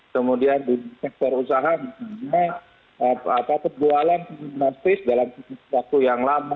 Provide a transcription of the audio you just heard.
kemudian di sektor usaha perjualan domestis dalam sektor usaha yang lama